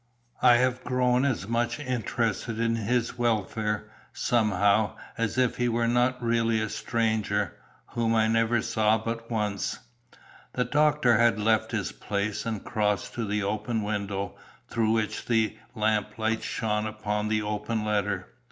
I have grown as much interested in his welfare, somehow, as if he were not really a stranger, whom I never saw but once." The doctor had left his place, and crossed to the open window, through which the lamp light shone upon the open letter.